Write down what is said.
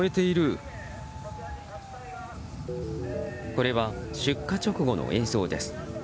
これは、出火直後の映像です。